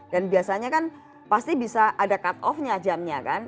dan biasanya kan pasti bisa ada cut off nya jamnya kan